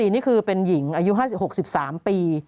นี่คือเป็นหญิงอายุ๕๖๑๓ปี